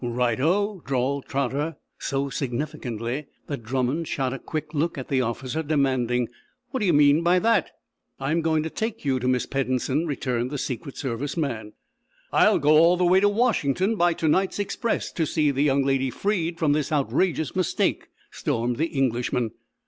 "Right o," drawled Trotter, so significantly that Drummond shot a quick look at the officer, demanding: "What d'ye mean by that?" "I'm going to take you to Miss Peddensen," returned the Secret Service man. "I'll go all the way to Washington, by tonight's express, to see the young lady freed from this outrageous mistake," stormed the Englishman.